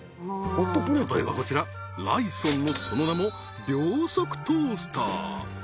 例えばこちらライソンのその名も「秒速トースター」